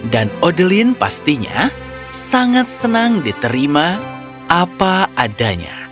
dan odeline pastinya sangat senang diterima apa adanya